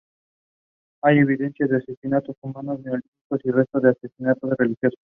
Hay evidencias de asentamientos humanos neolíticos y restos de asentamientos religiosos.